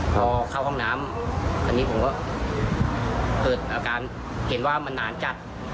พอเข้าห้องน้ำอันนี้ผมก็เกิดอาการเห็นว่ามันหนานจัด